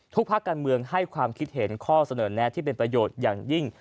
ภาคการเมืองให้ความคิดเห็นข้อเสนอแนะที่เป็นประโยชน์อย่างยิ่ง